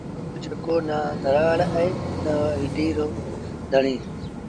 مزوٚر جيڪو نا ڌرآڙ اهي نا رڍينٚ رو ڌڻيٚ